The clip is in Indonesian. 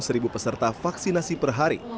seribu peserta vaksinasi per hari